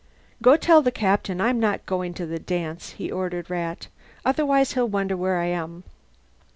"Go tell the Captain I'm not going to the dance," he ordered Rat. "Otherwise he'll wonder where I am.